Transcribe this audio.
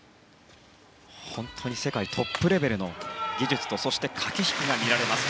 本当に世界トップレベルの技術とそして、駆け引きが見られます